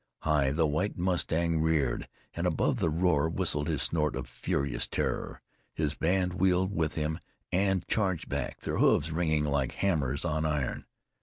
High the White Mustang reared, and above the roar whistled his snort of furious terror. His band wheeled with him and charged back, their hoofs ringing like hammers on iron.